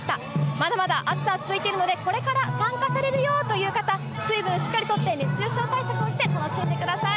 まだまだ暑さは続いているので、これから参加されるよという方、水分しっかりとって、熱中症対策をして楽しんでください。